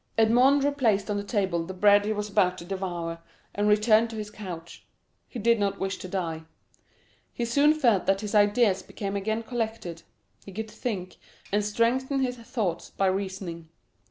Edmond replaced on the table the bread he was about to devour, and returned to his couch—he did not wish to die. He soon felt that his ideas became again collected—he could think, and strengthen his thoughts by reasoning.